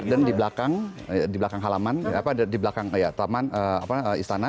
di belakang halaman di belakang taman istana